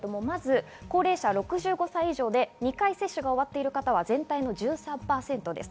高齢者６５歳以上で２回接種が終わっている方は全体の１３％です。